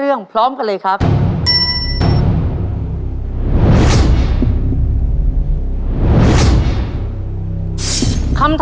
เพื่อชิงทุนต่อชีวิตสูงสุด๑ล้านบาท